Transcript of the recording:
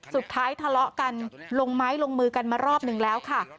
ทะเลาะกันลงไม้ลงมือกันมารอบนึงแล้วค่ะ